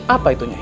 apa itu nyai